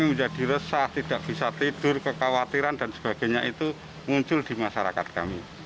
menjadi resah tidak bisa tidur kekhawatiran dan sebagainya itu muncul di masyarakat kami